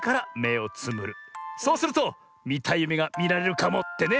そうするとみたいゆめがみられるかもってね。